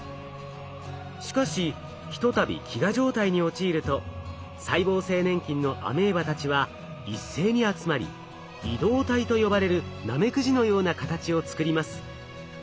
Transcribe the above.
しかしひとたび飢餓状態に陥ると細胞性粘菌のアメーバたちは一斉に集まり移動体と呼ばれるナメクジのような形を作ります。